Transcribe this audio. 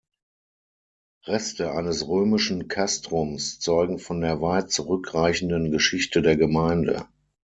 Reste eines römischen Castrums zeugen von der weit zurückreichenden Geschichte der Gemeinde.